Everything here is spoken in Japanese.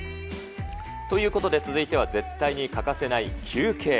ということで、続いては絶対に欠かせない休憩。